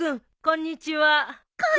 こんにちは。